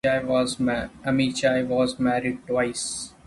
Amichai was married twice.